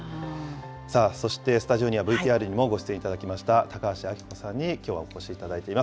さあ、そしてスタジオにはＶＴＲにもご出演いただきました高橋暁子さんにきょうはお越しいただいています。